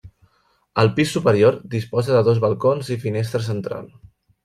El pis superior disposa de dos balcons i finestra central.